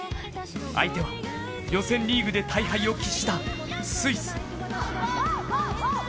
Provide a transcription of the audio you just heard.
相手は予選リーグで大敗を喫したスイス。